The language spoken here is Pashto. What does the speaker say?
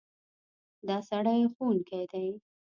دا سړی ښوونکی دی.